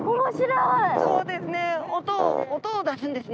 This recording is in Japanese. そうですね。